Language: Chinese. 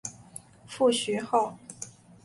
父徐灏。